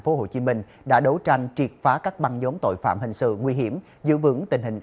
phố hồ chí minh đã đấu tranh triệt phá các băng giống tội phạm hình sự nguy hiểm giữ vững tình hình